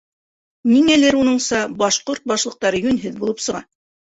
Ниңәлер, уныңса, башҡорт башлыҡтары йүнһеҙ булып сыға.